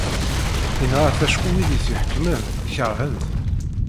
Inɣa-t acku wid t-iḥekkmen keṛhen-t.